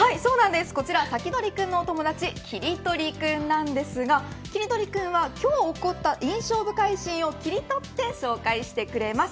今日こちらサキドリくんのお友達キリトリくんなんですがキリトリくんは今日起こった印象深いシーンを切り取って紹介してくれます。